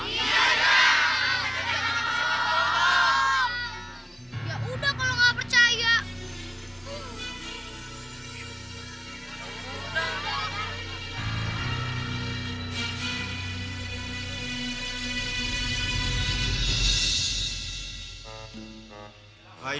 ya udah kalau nggak percaya